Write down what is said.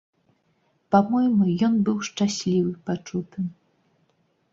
Па-мойму, ён быў шчаслівы пачутым.